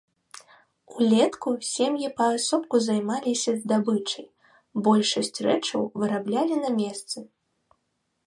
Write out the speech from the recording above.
Улетку сем'і паасобку займаліся здабычай, большасць рэчаў выраблялі на месцы.